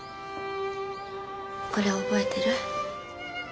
これ覚えてる？